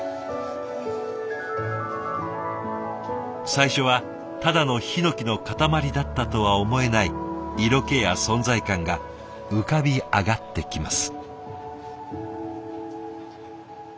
最初はただのヒノキの塊だったとは思えない色気や存在感が浮かび上がってきます。